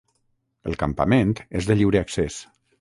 El campament és de lliure accés.